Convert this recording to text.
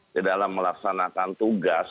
di dalam melaksanakan tugas